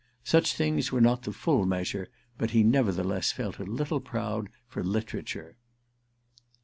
Such things were not the full measure, but he nevertheless felt a little proud for literature.